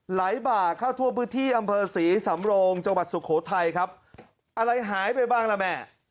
บ่าเข้าทั่วพื้นที่อำเภอศรีสำโรงจังหวัดสุโขทัยครับอะไรหายไปบ้างล่ะแม่